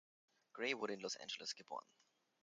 Grey wurde in Los Angeles geboren.